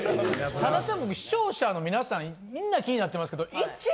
ただたぶん視聴者の皆さんみんな気になってますけど。